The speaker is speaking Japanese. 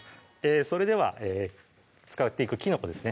それでは使っていくきのこですね